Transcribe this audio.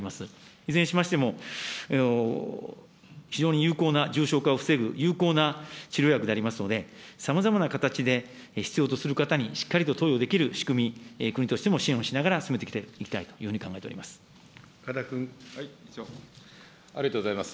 いずれにしましても、非常に有効な重症化を防ぐ有効な治療薬でありますので、さまざまな形で必要とする方にしっかりと投与できる仕組み、国としても支援をしながら進めていきたいというふうに考えております。